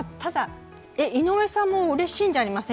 井上さんもうれしいんじゃあなません？